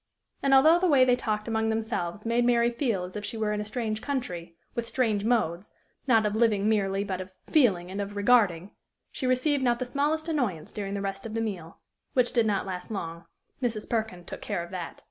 And, although the way they talked among themselves made Mary feel as if she were in a strange country, with strange modes, not of living merely, but of feeling and of regarding, she received not the smallest annoyance during the rest of the meal which did not last long: Mrs. Perkin took care of that.